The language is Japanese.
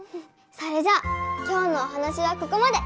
それじゃあ今日のおはなしはここまで。